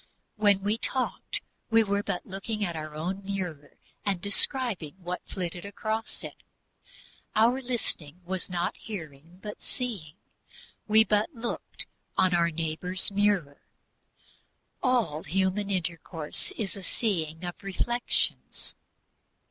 When we talked, we were but looking at our own mirror and describing what flitted across it; our listening was not hearing, but seeing we but looked on our neighbor's mirror. All human intercourse is a seeing of reflections.